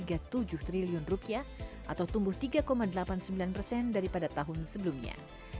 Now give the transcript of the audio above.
atau rp tiga delapan ratus tiga puluh tujuh triliun atau tumbuh tiga delapan puluh sembilan persen daripada tahun sebelumnya